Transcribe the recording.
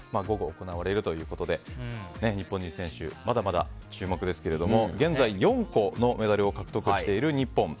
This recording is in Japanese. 午後行われるということで日本人選手、まだまだ注目ですが現在、４個のメダルを獲得している日本。